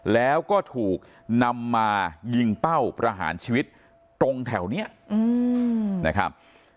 แล้วก็ถูกนำมายิงเป้าประหารชีวิตตรงแถวนี้นะครับ